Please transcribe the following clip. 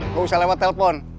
gak usah lewat telepon